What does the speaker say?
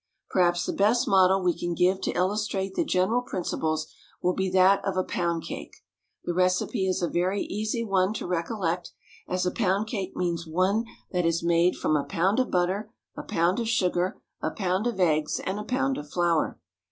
Perhaps the best model we can give to illustrate the general principles will be that of a pound cake. The recipe is a very easy one to recollect, as a pound cake means one that is made from a pound of butter, a pound of sugar, a pound of eggs, and a pound of flour.